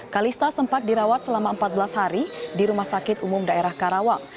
kalista sempat dirawat selama empat belas hari di rumah sakit umum daerah karawang